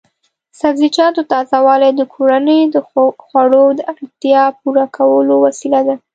د سبزیجاتو تازه والي د کورنیو د خوړو د اړتیا پوره کولو وسیله ده.